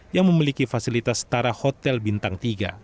yang memiliki fasilitas setara hotel bintang tiga